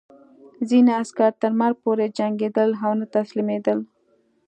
ځینې عسکر تر مرګ پورې جنګېدل او نه تسلیمېدل